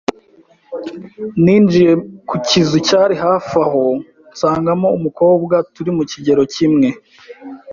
ninjiiye kucyizu cyari hafi aho nsangamo umukobwa turi mukigero kimwe